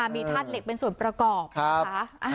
มีทาสเหล็กเป็นส่วนประกอบ